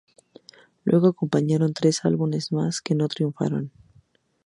Luego acompañaron tres álbumes más que no triunfaron.